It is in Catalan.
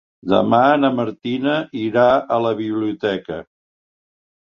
Demà na Martina irà a la biblioteca.